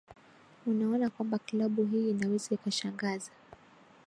unaona kwamba klabu hii inaweza ikashangaza